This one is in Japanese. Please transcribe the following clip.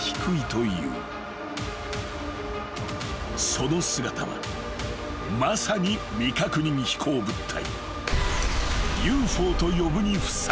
［その姿はまさに未確認飛行物体］